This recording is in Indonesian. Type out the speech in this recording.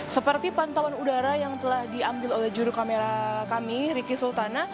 seperti pantauan udara yang telah diambil oleh juru kamera kami riki sultana